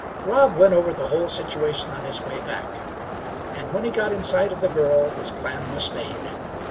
Rob went over the whole situation on his way back, and when he got in sight of the girl his plan was made.